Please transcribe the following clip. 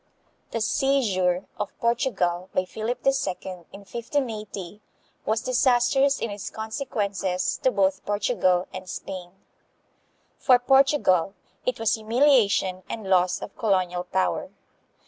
The seizure of Portugal by Philip II. in 1580 was disastrous in its consequences to both Portugal and Spain. For Portugal it was humiliation and loss of colonial power.